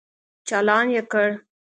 چالان يې کړ.